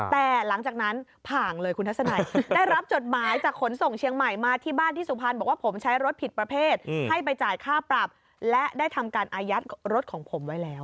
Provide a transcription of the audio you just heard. แต่หลังจากนั้นผ่านเลยคุณทัศนัยได้รับจดหมายจากขนส่งเชียงใหม่มาที่บ้านที่สุพรรณบอกว่าผมใช้รถผิดประเภทให้ไปจ่ายค่าปรับและได้ทำการอายัดรถของผมไว้แล้ว